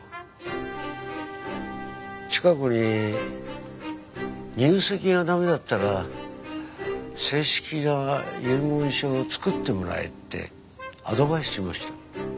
チカ子に入籍が駄目だったら正式な遺言書を作ってもらえってアドバイスしました。